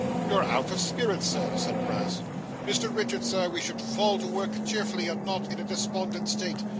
'You're out of spirits, sir,' said Brass. 'Mr Richard, sir, we should fall to work cheerfully, and not in a despondent state.